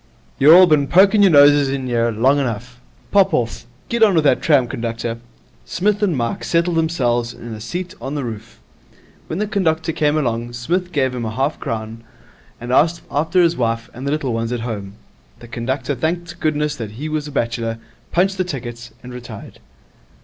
You're all bin poking your noses in 'ere long enough. Pop off. Get on with that tram, conductor.' Psmith and Mike settled themselves in a seat on the roof. When the conductor came along, Psmith gave him half a crown, and asked after his wife and the little ones at home. The conductor thanked goodness that he was a bachelor, punched the tickets, and retired.